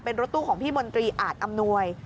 เป็นรถตู้ของพี่มนตรีอาจอำนวย